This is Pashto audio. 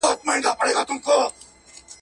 غزل-عبدالباري جهاني.